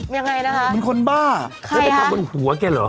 ยังไงนะคะมันคนบ้าใครฮะไปทำบนหัวแก่เหรอ